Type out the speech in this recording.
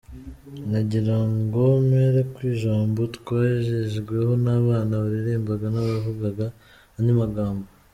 Nagira ngo mpere ku ijambo twagejejweho n’abana baririmbaga n’abavugaga andi magambo.